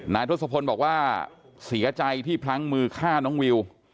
ทศพลบอกว่าเสียใจที่พลั้งมือฆ่าน้องวิว